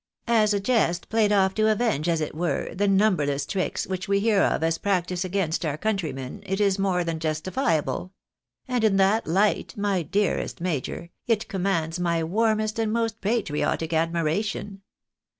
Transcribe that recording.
As a jest played off to avenge, as it were, the numberless tricks which we hear of as practised against our countrymen it is more than justifiable ; and in that light, my dearest major, it com mands my warmest and most patriotic admiration.